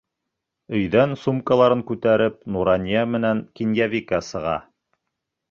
Өйҙән сумкаларын күтәреп Нурания менән Кинйәбикә сыға.